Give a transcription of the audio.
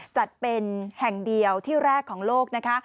จัดเป็นแห่งเดียวที่แรกของโลกนะคะ